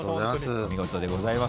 お見事でございます。